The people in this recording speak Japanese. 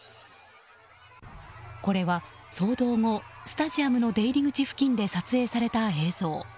これは騒動後、スタジアムの出入り口付近で撮影された映像。